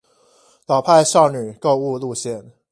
老派少女購物路線